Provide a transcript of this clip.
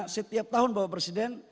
setiap tahun bapak presiden